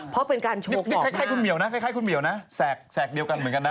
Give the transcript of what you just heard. เพราะเป็นการโชคบอกหน้านี่คล้ายคุณเหมียวนะแสกเดียวกันเหมือนกันนะ